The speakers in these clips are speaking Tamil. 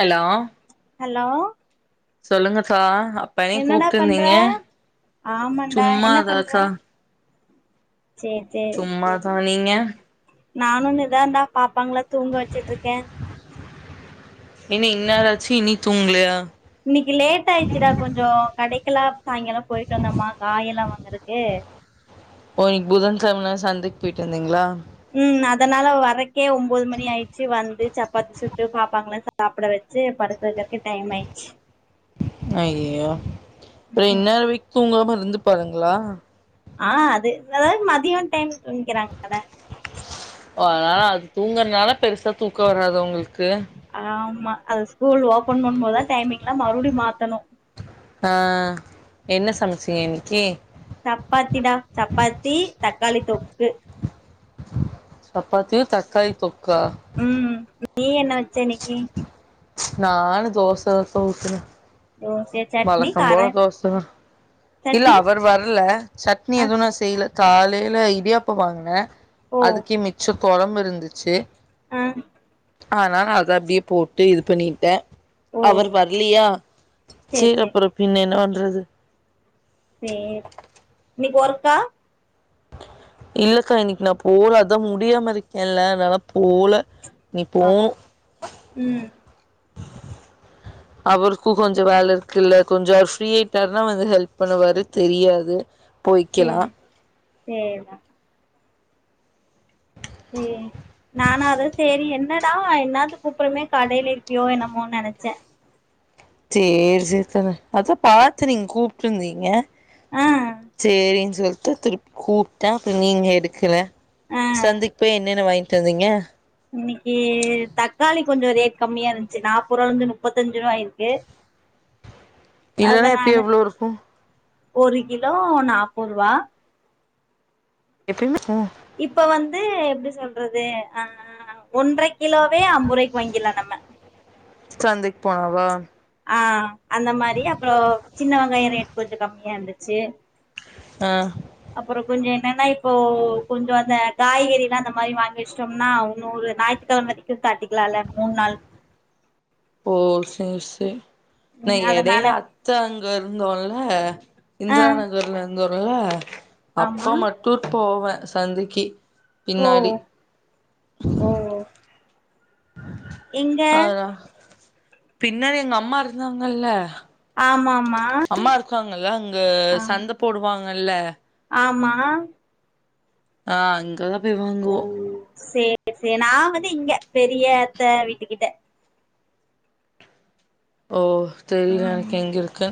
ஹலோ ஹலோ சொல்லுங்க சா என்னடா பண்ற ஆமான்டா என்ன பண்ற சும்மாதாக்கா சேரி சும்மா தா நீங்க நானு இதா ந்தா பாப்பாங்ள தூங்க வச்சிட்ருக்க என்ன இன்னேராச்சு இனி தூங்லியா இன்னக்கு லேட் ஆயிடுச்சுடா கொஞ்சோ கடைக்கெல்லா சாயங்காலோ போயிட்டு வந்தமா காயெல்லா வாங்கறக்கு ஓ இங் புதன் செமனால சந்தைக் போயிட்டு வந்தீங்ளா ம் அதனால வரக்கே ஒம்போது மணி ஆயிர்ச்சு வந்து சப்பாத்தி சுட்டு பாப்பாங்கள சாப்புட வச்சு படுக்க வக்கிறதுக்கே டைம் ஆய்ச்சு ஐய்யோ அப்புற ம் இன்ன வரக் தூங்காம இருந்துபாங்களா ஆ அது அதாது மதியோ டைம் தூங்கிறாங்கல்ல ஓ அது தூங்கறனால பெருசா தூக்க வராது ஒங்களுக்கு ஆமா அது ஸ்கூல் ஓபன் பண்ணு போதா டைமிங்கல்லா மறுடியு மாத்தணு ஆ என்ன சமச்சீங்க இன்னக்கி சப்பாத்தி டா சப்பாத்தி தக்காளி தொக்கு சப்பாத்தியு தக்காளி தொக்கா ம் நீ என்ன வெச்ச இன்னக்கி நானு தோச [unintelligible] ஊத்துன தோச சட்னி வழக்கம் கார போல தோச தா இல்ல சட்னி அவர் வர்ல சட்னி ஆ எது நா செய்ல காலையில இடியாப்போ வாங்குன ஓ அதுக்கே மிச் மிச்ச கொழம் இருந்துச்சு அ ஆனால அத அப்டியே போட்டு இது பண்ணிட்ட ஓ அவர் வர்லியா சேரி அப்றோ பின்ன என்ன பண்றது சேரி இன்னைக்கி ஒர்க்கா இல்லக்கா இன்னக்கி நா போல அதா முடியாம இருக்கேல்ல அதனால போல நீ போ அப் ம் அவருக்கு கொஞ்சோ வேல இருக்குல்ல கொஞ்சோ அவர் ஃப்ரீ ஆயிட்டாருன்னா வந்து ஹெல்ப் பண்ணுவாரு தெரியாது போய்க்கலா சேரி சேரிமா சே நானும் அது சேரி என்ன தான் என்னது கூப்பிடறமே கடையில இருப்பியோ என்னமோ நினைச்சேன் சேரி சேரி தானே அதான் பாத்து நீங்க கூப்டுயிருந்தீங்க ஆ சேரின் சொல்ட்டு திருப் கூப்டா அப்ப நீங்க எடுக்கல ஆ சந்தைக்கு போய் என்னென்ன வாங்கிட்டு வந்தீங்க இன்னேக்கு தக்காளி கொஞ்சோ ரேட் கம்மியா இருந்துச்சு நாப்போற் ரூவால இருந்து நுப்பத்திஞ்சு ரூவா ஆயிருக்கு [inaudible] இல்லன்னா அதனால எப்பயு எவ்ளோ இருக்கு ஒரு கிலோ நாப்போற் ரூவா எப்பயமே ம் இப்ப வந்து எப்டி சொல்றது ஆ ஒன்றரை கிலோவே ஐம்போருவாய்க்கு வாங்கிரலாம் நம்ம சந்தைக்கு போனாவா ஆ அந்த மாரி அப்புறோ சின்ன வெங்காயம் ரேட் கொஞ்சோ கம்மியா இர்ந்துச்சி ஆ அப்புறம் கொஞ்சொ என்னன்னா இப்போ கொஞ்சம் அந்த காய்கெறில்லா நம்ம அந்த மாரி வாங்கி வெச்ட்டோம்னா ஒன்னேறு நா களமதிக்கு காட்டிக்கலாம்ல மூணு நாள் ஓ சேரி சேரி நா ம் அதனால எடைய்யில அத்த அங்க இருந்தோன்ல ஆ இந்திரா நகர்ல இருந்தோல ஆமா அப்ப மட் டூர் போவேன் சந்திக்கி ஓ பின்னாடி ஓ எங்க ஆதா பின்னாடி எங்க அம்மா இருந்தாங்கல்ல ஆமாமா அம்மா இருக்காங்கல்ல அங்க ஆமா சந்த போடுவாங்கல்ல ஆமா ஆ அங்கதான் போய் வாங்குவோம் செ நா வந்து இங்க பெரியத்தை வீட்டு கிட்ட ஓ தெரியல ம் எனக்கு எங்க இருக்கு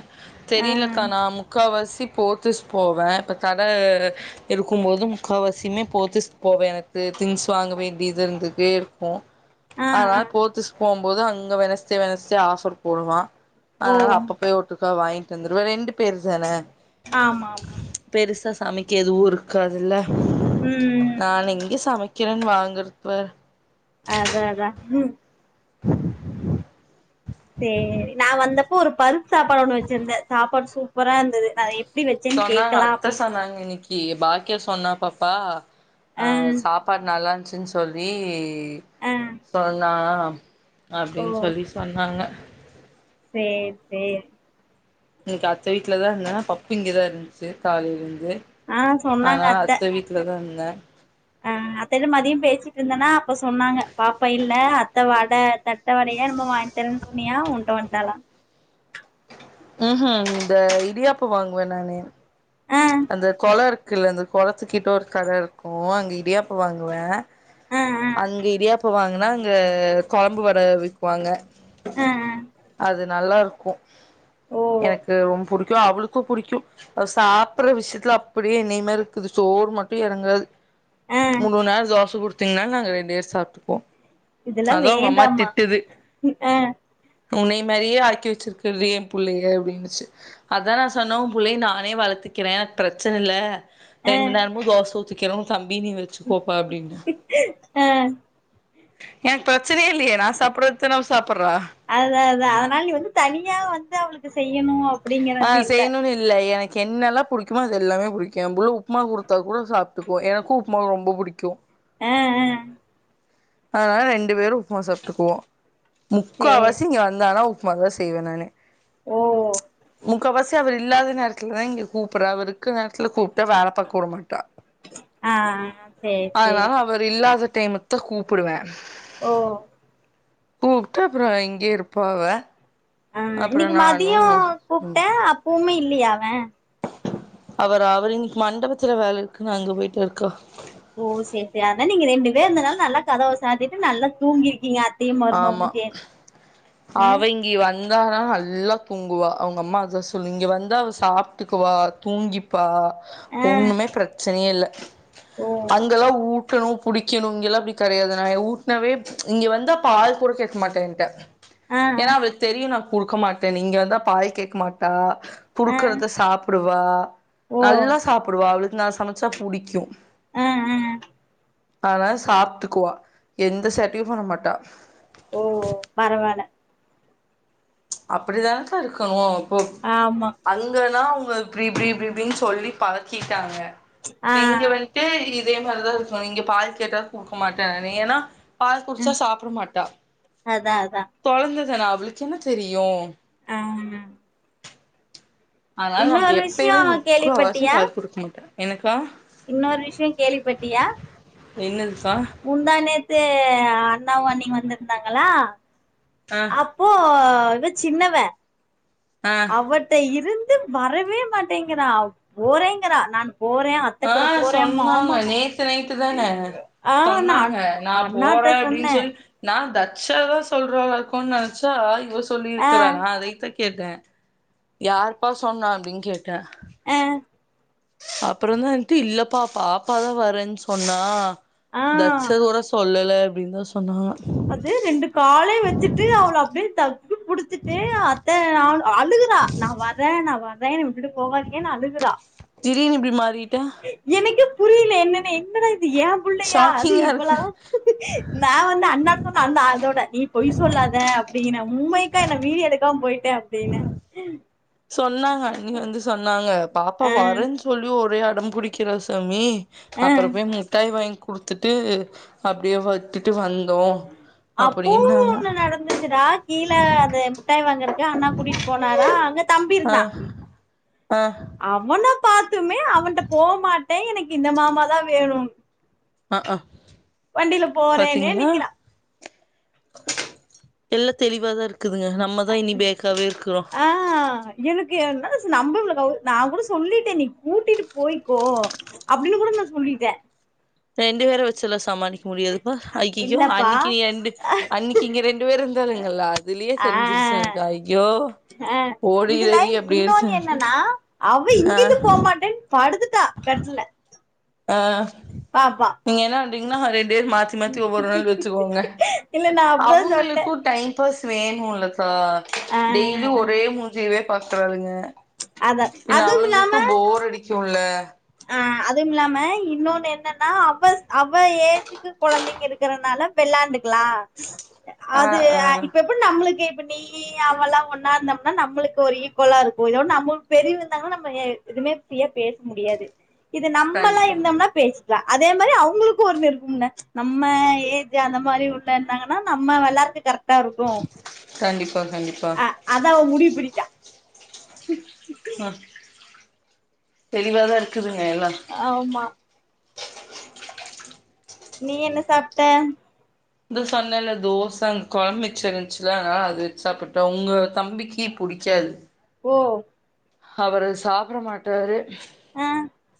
ஆ தெரியலக்கா நான் முக்காவசி போ த்தீஸ் போவேன் இப்போ தடை இருக்கும் போதும் முக்காவாசியுமே போத்தீஸ் போவேன் எனக்கு திங்ஸ் வாங்க வேண்டியது இருந்துட்தே இருக்கும் ஆ ஆ ஆதனால போத்தீஸ் போவும்போது அங்க வெனஸ்டே வெனஸ்டே ஆஃபர் போடுவான் ஓ அதனால அப்ப போய் ஒட்டுக்கா வாங்கிட்டு வந்துருவ ரெண்டு பேரு தானே ஆமா ஆமா பெருசா சமைக்க எதுவு இருக்காதுல்ல ம் நான் எங்கே சமைக்கிறேன்னு வாங்கறத்துவர் அதா அதா [inaudible] சேரி நான் வந்தப்போ ஒரு பருப் சாப்பாடு ஒண்ணு வெச்சிருந்தே சாப்பாடு சூப்பரா இருந்து து அது எப் எப்டி வெச்சன்னு கேட்கலா அப்டன்னு பாக்கிய சொன்னா பாப்பா ஆ சாப்பாடு நல்லா இருந்துச்சின்னு சொல்லி ஆ சொன்னா ஓ அப்டின்னு சொல்லி சொன்னாங்க சேரி சேரி இன்னிக்கு அத்த வீட்ல தான் இருந்த பப்பு இங்கதான் இருந்துச்சு காலைலருந்து ஆ சொன்னாங்க அதனால அத்த வீட்டு இருந்தே அ அத்தட்ட மதியம் பேசிட்டு இருந்தனா அப்ப சொன்னாங்க பாப்பா இல்ல அத்த வட தட்டவடய என்மோ வாங்கித்தரனு சொன்னியா உண்ட்டா வண்ட்டாளா ம் ஹும் இந்த இடியாப்போ வாங்குவேன் நானே ஆ அந்த கொளம் இருக்குல்ல அந்த கொளத்துக்கிட்ட ஒரு கட இருக்கும் அங்க இடியாப்போ வாங்குவே ஆ ஆ அங்க இடியாப்போ வாங்குன்னா இங்க கொழம்பு வட விக்குவாங்க ஆ ஆ அது நல்லாருக்கும் ஓ எனக்கு ரொம்ப புடிக் கு அவளுக்கு புடிக்கும் சா ப்புற விஷயத்துல அப்டியே என்னைய மாரி இருக்குது சோறு மட்டும் எறங்காது ஆ மூணு நேரம் தோச கொடுத் திங்கன்னாலும் நாங்க ரெண்டு பேர் சாப்ட்டுப்போம் இதெல்லா அதான் உங்க அம்மா வேண்டாமா திட்டுது ஆ உன்னைய மாரியே ஆக்கி வச்சிருக்குற என் புள்ளைய அப்டினுச்சு அதான் நா சொன்னவும் புள்ளைய நானே வளத்து க்கன பிரச்சன இல்ல ஆ ரெண்டு நேரமும் தோச ஊத்திக்கனும் தம்பி நீ வச்சு கோப்பா அப்டின்னு ஆ எனக்கு பிரச்சனயே இல்லயே நா சாப்ட்றது தானே அவ சாப்ட்றா அ அத அதனால நீ வந்து தனியா வந்து அவளுக்கு செய்யணு அப் ஆ செய்ணுன்னு இல்ல எனக்கு என்னெல்லா புடிக்குமோ அது எல்லாமே புடிக்கும் எம்பிள்ள உப்மா கொடுத்தா கூட சாப்ட்டுக்கும் எனக்கும் உப் மா ரொம்ப புடிக்கும் ஆ ஆ அதனால ரெண்டு பேரும் உப்மா சாப்ட்டுக்குவோம் சேரி முக்காவாசி இங்க வந்தானா உ ப்மா தா செய்வன் நானு ஓ. முக்காவாசி அவ இல்லாத நேரத்துலதா இங்க கூப்பிற அவரிக்குற நேரத்துல கூப்ட்டா வேல பாக்கவிடமாட்டா ஆ செரி செரி அவரில்லாத டைமுக்கு தா கூப்டுவேன் ஓ கூப்ட்டா அப்றம் இங்கே இருப்பா அவ ஆ அப்றோ இன்னிக்கு நானு மதியம் கூப்ட்டே அப்வுமே இல்லியா அவே அவர் அவர் இன்னைக்கு மண்டபத்துல வேல இருக்குன்னு அங்க போயிட்டாரு கா ஓ செரி செரி அதனா நீங்க ரெண்டு பேர் இருந்தனால நல்லா கதவ சாத்திட்டு நல்லா தூங்கிருக்கீங்க அத்தையு ஆமா மருமகளு சேந்து அவ இங்கே வந் வந்தானா நல்லா தூங்குவா அவுங்க அம்மா அதா சொல்லு இங்க வந்தா அவ சாப்ட்டுக்குவா தூங்கிப்பா ஆ ஆ ஒண்ணுமே பிரச்சனேயே இல்ல ஓ அங்கெல்லாம் ஊட்டணும் புடிக்கணும் இங்கெல்லாம் அப்டி கெடையாது நான் ஊட்டினாவே இங்க வந்து பால் கூட கேக்க மாட்டெண்ட ஆ ஏன்னா அவலு ஆ தெரியு நான் குடுக்க மாட்டேனு இங்க வந்தா பால் கேக்க மாட்டா ஆ குடுக்கறத சாப் டுவா ஓ நல்லா சாப்டுவா அவளுக்கு நா சமச்சா புடிக்கும் ம் ம் அவ சாப்ட்டுக்குவா எந்த சேட்டையும் பண்ண மாட்டா ஓ ஓ பரவால அப்டிதான்கா இருக்கணும் இப்போ ஆமா அங்கதான் அவுங்க ப்டி ப்டி ப்டின்னு சொல்லி பழக்கிட்டாங்க ஆ ப்ப இங்க வ து இதே மாரிதான் இருக்கும் நீங்க பால் கேட்டாவே குடுக்க மாட்டேன் ஏன்னா பால் குடிச்சா ம் சாப்ட மாட்டா அதா அதா கொழந்ததானே அவளுக்கு என்ன தெரியும் ஆ. அதனால நம்ம இன்னொரு விஷயோ எப்பயுமே முக்காவாசி கேள்விப்பட்டியா பால் குடுக்க மாட்ட எனக்கா இன்னொரு விஷயம் கேள்விப்பட்டியா என்னதுப்பா முந்தா நேத்து அண்ணாவு அன்னியும் வந்துருந்தாங்களா ஆ அப் ஓ இவ ஜின்னவ ஆ அவட்ட இருந்து வரவே மாட்டேங்கறா போறேங்கறா நான் போற ஆ சொன்னாங்க நேத்து நைட்டு தான ஆ நா சொன்னாங்க நா போற அண்ணாட்ட அப்டின் சொன்னே சொல் நா தட்ச் செய்லா சொல்றாங்க இருக்கும் நெனைச்சா இவ ஆ சொல்யிருக்கறாங்க அதை த கேட்டன் யாருப்பா சொன்னா அப்டின் கேட்ட அ அப்புறோம் தாண்டு இல்லப்பா பாப்பா தா வரேன் சொன்னா ஆ தட்சதோட சொல்லல அப்டின் தா சொன்னாங்களா அது ரெண்டு காலையும் வச்சுட்டு அவள அப்டியே தப்பி புடிச்சுட்டு அத்த ஆ அலுகுறா நான் வரே நா வர்றே என்ன விட்டு போகாதிங்கனு அழுகுறா திடீர்னு இப்டி மாறிட்டா எனக்கு புரியில என்னன்னு என்னடா இது ஏன் புள்ளையா அது ஷாக்கிங்கா இவ்ளா இருக்கு நா வந்து அண்ணாட அண்ணா அதோட நீ பொய் சொல்லாத அப்டினு மும்மை க நா வீடியோ எடுக்காம போயிட்ட அப்டின்ன சொன்னாங்க அண்ணி வந்து சொன்னாங்க பாப்பா அ வரேன் சொல்லி ஒரே அடம் புடிக்கிறா சமி அ அப்புறப்பே முட்டாய் வாங்கி குடுத்துட்டு அப்டியே விட்டுட்டு வந்தோம் அப்பவும் ஒன்னு நடந்துச்சுடா கீழ அத முட்டாய் வாங்கறக் யா அண்ணா கூட்டிட் போனாரா அங்க தம்பி ஆ இருந்தா ஆ அவன பாத்துமே அவன்ட்ட போமாட்டே எனக்கு இந்த மாமா தா வேணு ஆ ஆ வண்டியில போறேன்னே பாத்தீங்களா நிக்கறா எல்லா தெளிவாதா இருக்குதுங்க நம்மதான் இனி பேக்காவே இருக்கறோம் ஆ எனக்கு என்னஸ் நம்மவளுக்கு நா கூட சொல்லிட்டே நீ கூட்டிட்டு போய்கோ அப்டினு கூட நா சொல்லிட்ட ரெண்டு பேர வச்சில்லா சமாளிக் முடியாதுப்ப அய்யோ இல்லப்பா அன்னிக்கு யெண்டு அன்னிக்கு இங்க ரெண்டு பேரு இருந்தாள்கள அதுலயே செரிஞ்சிருச்சு எனக்கு ஐயோ அ இதுல ஓடிரடி அப்டிருச்சு இன்னொன்னு எனக்கு என்னன்னா அவ இங்கிருந்து ஆ போகமாட்டென் படுத்துட்டா கட்டுல ஆ பாப்பா நீங்க என்ன பண்றீங்கனா ரெண்டேர் மாத்தி மாத்தி ஒவ்வொரு நாள் வச்சிக்கோங்க இல்ல நா அப்பதா சொன்னே அவுங்களுக்கு டைம் ப்பஸ் வேணும்லதா ஆ டெய்லி ஒரே மூஞ்சுயவே பாக்குறாளுங்க அதா என்ன அதுவும் அவள்ங்களுக்கு போர் அடிக்கும்ல அ அதுவுமில்லாம இன்னொன்னு என்னன்னா அவ அவ ஏஜ் க்கு கொழந்தைங்க இருக்கறதனால வெள்ளாண்டுக்கலாம் ஆ அது ஆ இப்ப இப்ப நம்ளுக்கு இப்ப நீ நீ அவல்லா ஒன்னா இருந்தோம்னா நம்ளுக்கு ஒரு ஈக்குவலா இருக்கு இதோட நம்மளுக்கு பெரியவங்க இருந்தாங்கான நம்ம ஏ எதுமே ஃப்ரீயா பேச முடியாது இது நம்மலா கண்டிப்பா இருந்தோம்னா பேசிக்கலாம் அதே மாரி அவுங்களுக்கும் ஒரு இருக்கும்ன நம்ம ஏஜ் அந்த மாரி உள்ள இருந்தாங்கன்னா நம்ம வெளார்த்துக்கு கரெக் டருக்கும் கண்டிப்பா கண்டிப்பா அ அத அவ முடிவு பண்ணிட்டா அ தெளிவாதா இருக்குதுங்க எல்லா ஆமா நீ என்ன சாப்ட இது சொன்னல்ல தோசங் கொழம் மிச்சருந்ச்சுல அதனால அது வெச் சாப்பிட்டோ உங்க தம்பிக்கு புடிக்காது ஓ அவரு சாப்பிட மாட்டாரு ஆ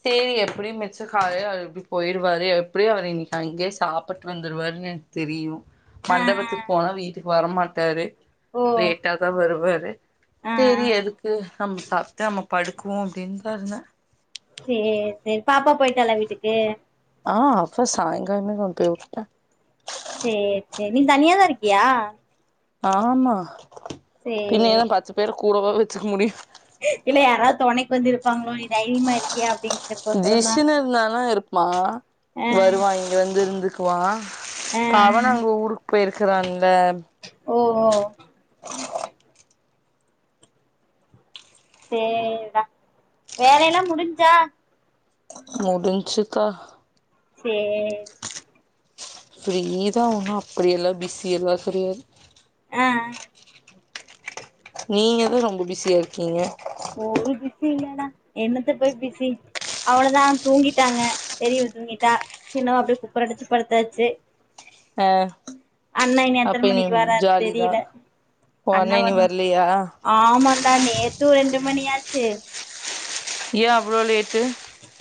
சேரி எப்படியு மிச்ச காலில அது போயிருவாரு எப்படியு அவரு இன்னிக் அங்யே சாப்பிட் வந்துருவாருன் எனக் தெரியு ஆ ஆ மண்டபத்துக் போனா வீட்டுக்கு வரமாட்டாரு ஓ லேட்டாதா வருவாரு ஆ ஆ செநரி எதுக்கு நம்ம சாப்பட்டு நம்ம படுக்குவோ அப்டின்தா இருந்த சேர் சேர் பாப்பா போய்ட்டலா வீட்டுக்கு ஆ அப்ப சாயங்காலமே கொண்ட் போய் உட்ட சேர் சேர் நீ தனியாதா இருக்கியா ஆமா பின்ன சேரி என்ன பத்து பேர கூடவா வெச்சுக்க முடியு இல்ல யாராவ்த் தொணைக் வந்துருப்பாங்களோ நீ தைரிமா இருப்பியா அப்படின் ஜிஷன் இருந்தானா இருப்பா ஆ வருவா இங்க வந்து இருந்துக்குவா ஆ ப்ப அவனு அங்க ஊருக் போயிருக்கிறான்ல ஓ ஓ [unintelligible] சேரிடா வேலயெல்லா முடிஞ்சா முடின்சுக்கா சே ஃப்ரீ தா ஒன்னு அப்படியெல்லா பிசி எல்லா கெடயாது ஆ‌ அ நீங்கதா ரொம்ப பிஸியா இருக்கீங்க ஒரு பிஸி இல்லடா என்னத்த போய் பிஸி அவ்வளதா தூங்கிட்டாங்க பெரியவ தூங்கிட்டா சின்னவ அப்டே குப்பரடிச்சு படுத்தாச்சு ஆ அண்ண அப்ப எத்தன இனி மணிக்கு வராரு ஜாலிதா தெரில ஒ அண்ணே இனி அன்னவர்ணம் வர்லியா ஆமாண்டா நேத்து ரெண்டு மணியாச்சி ஏ அவ்ளோ லேட்டு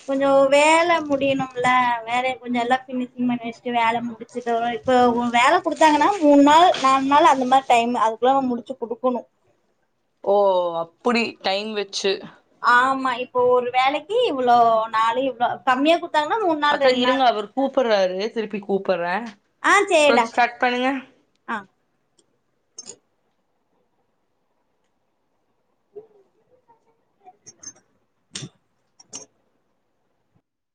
கொஞ்சோ வேல முடியணும்ல வேலய கொஞ்ச எல்லா பினிஷிங் பண்ணி வெஷ்ட்டு வேல முடி ச்சிட்டு வர இப்ப வேல குடுத்தாங்கன்னா மூண் நாள் நால் நாள் அந்த மாரி டைம் அதுக்குள்ள நாம் முடிச்சு குடுக்கணு ஓ அப்படி டைம் வெச்சு ஆமா இப்போ ஒரு வேலைக்கி இவ்வளோ நாளு இவ்ளோ கம்மியா கு த்தாங்னா மூண் அக்கா இருங்க அவரு கூப்பிற்றாரு திருப்பி கூப்பிற்றே ஆ சேரிடா கொஞ்ச் கட் பண்ணுங்க ஆ